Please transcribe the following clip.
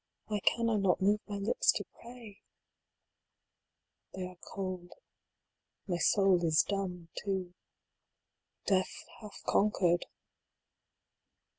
Why can I not move my lips to pray ? They are cold. My soul is dumb, too. Death hath conquered